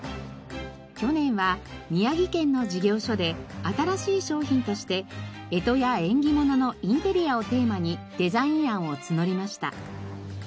去年は宮城県の事業所で新しい商品として干支や縁起物のインテリアをテーマにデザイン案を募りました。